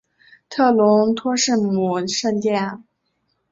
特伦托圣母圣殿。